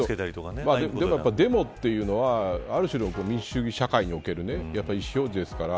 でもデモというのはある種の民主主義社会における意思表示ですから。